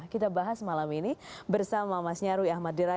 kita bahas malam ini bersama mas nyarwi ahmad deraja